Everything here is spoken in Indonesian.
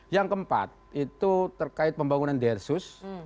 yang keempat itu terkait pembangunan dersus